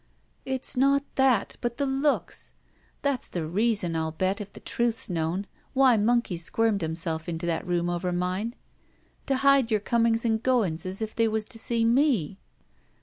"It's not that, but the looks. That's the reason, I'll bet, if the truth's known, why Monkey squirmed himself into that room over mine — ^to hide your comings and goings as if they was to see me."